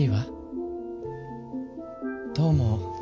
どうも。